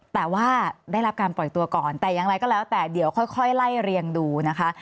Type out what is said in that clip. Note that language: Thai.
แต่ว่าได้รับการปล่อยตัวก่อนแต่อย่างไรก็แล้วแต่เดี๋ยวค่อยไล่เรียงดูนะคะ